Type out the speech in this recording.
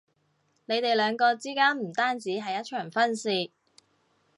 你哋兩個之間唔單止係一場婚事